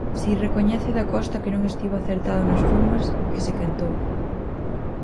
Si recoñece Dacosta que non estivo acertado nas formas, que se quentou.